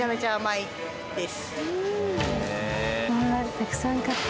たくさん買ってく。